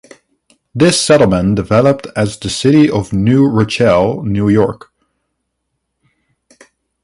This settlement developed as the city of New Rochelle, New York.